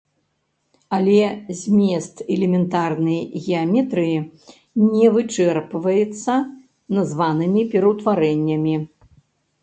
Але змест элементарнай геаметрыі не вычэрпваецца названымі пераўтварэннямі.